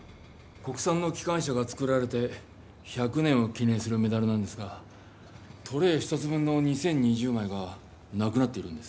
国さんのきかん車がつくられて１００年を記ねんするメダルなんですがトレー１つ分の２０２０枚がなくなっているんです。